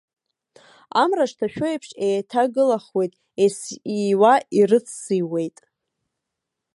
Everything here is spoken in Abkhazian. Амра шҭашәо еиԥш еиҭагылахуеит, ес-ииуа ирыциуеит.